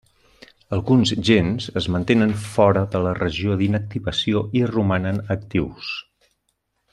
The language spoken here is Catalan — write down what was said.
Alguns gens es mantenen fora de la regió d'inactivació i romanen actius.